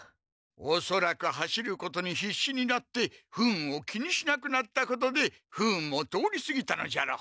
おそらく走ることにひっしになって不運を気にしなくなったことで不運も通りすぎたのじゃろう。